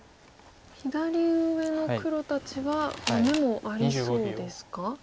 左上の黒たちはもう眼もありそうですか？